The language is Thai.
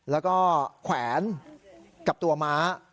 แล้วก็แขวนกับตัวม้า